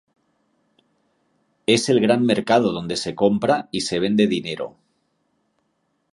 Es el gran mercado donde se compra y se vende dinero.